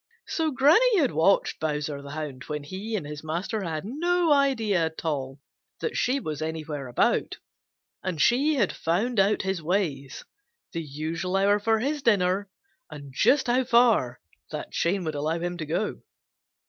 So Granny had watched Bowser the Hound when he and his master had no idea at all that she was anywhere about, and she had found out his ways, the usual hour for his dinner and just how far that chain would allow him to go.